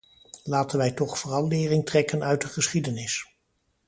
Laten wij toch vooral lering trekken uit de geschiedenis.